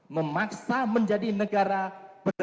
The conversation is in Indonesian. memaksa menjadi negara berdekatan